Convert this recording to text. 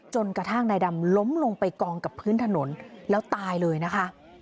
จนกระทั่งนายดำล้มลงไปกองกับพื้นถนนแล้วตายเลยนะคะ